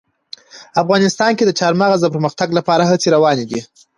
افغانستان کې د چار مغز د پرمختګ لپاره هڅې روانې دي.